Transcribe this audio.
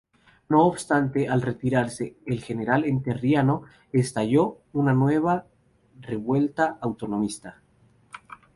No obstante, al retirarse el general entrerriano, estalló una nueva revuelta autonomista.